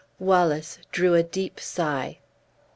Wallace drew a deep sigh.